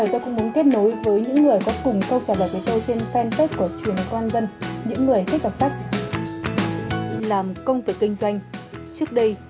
trong thời kinh doanh trước đây